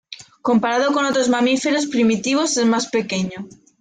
Comparado con otros mamíferos primitivos, es más pequeño.